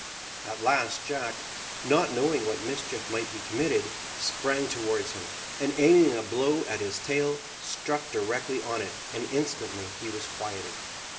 At last Jack, not knowing what mischief might be committed, sprang towards him, and aiming a blow at his tail, struck directly on it, and instantly he was quieted.